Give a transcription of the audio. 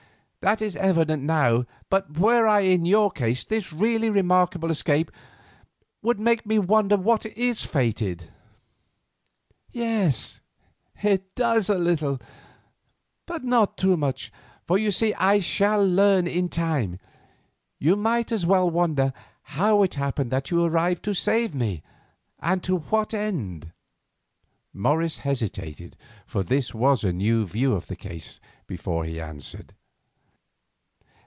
That is evident now; but were I in your case this really remarkable escape would make me wonder what is fated." "Yes, it does a little; but not too much, for you see I shall learn in time. You might as well wonder how it happened that you arrived to save me, and to what end." Morris hesitated, for this was a new view of the case, before he answered.